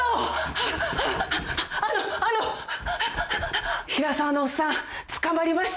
ハァハァあのあの平沢のおっさん捕まりました！